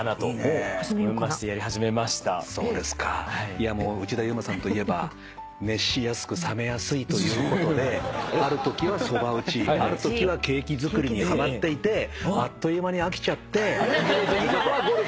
いやもう内田雄馬さんといえば熱しやすく冷めやすいということであるときはそば打ちあるときはケーキ作りにはまっていてあっという間に飽きちゃって今はゴルフにはまってると。